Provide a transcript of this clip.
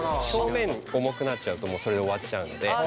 表面重くなっちゃうともうそれで終わっちゃうので。